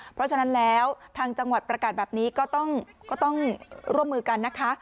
เพราะฉะนั้นแล้วทางจังหวัดประกาศแบบนี้ก็ต้องร่วมมือกันนะคะ